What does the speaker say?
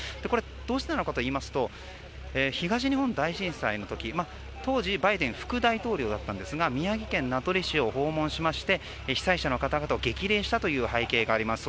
どうしてなのかといいますと東日本大震災の時当時バイデン副大統領だったんですが宮城県名取市を訪問しまして被災者の方々を激励したという背景があります。